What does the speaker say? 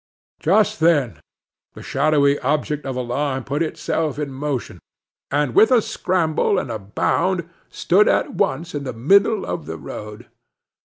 Just then the shadowy object of alarm put itself in motion, and with a scramble and a bound stood at once in the middle of the road.